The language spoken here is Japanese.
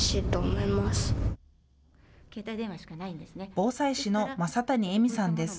防災士の正谷絵美さんです。